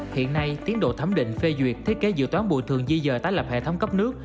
hiện nay tiến độ thấm định phê duyệt thiết kế dự toán bồi thường di dời tái lập hệ thống cấp nước